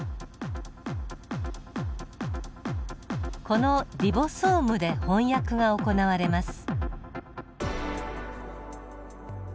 このリボソームで翻訳が行われます。